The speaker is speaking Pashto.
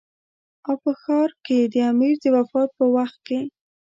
او په هغه ښار کې د امیر د وفات په وخت کې.